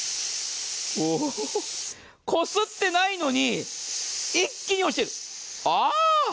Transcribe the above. こすってないのに、一気に落ちてる、ああ！